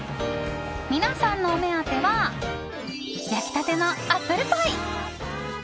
皆さんのお目当ては焼きたてのアップルパイ。